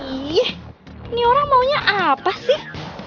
ini orang maunya apa sih